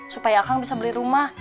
supaya kang bisa beli rumah